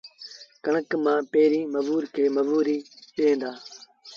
ڪڻڪ مآݩ پيريݩ مزورآݩ کي مزوريٚ ڏيݩ دآ